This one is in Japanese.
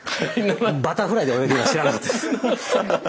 バタフライで泳いでるのは知らなかったです。